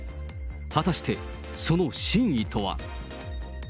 果たしてその真意とは。